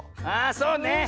ああそうね。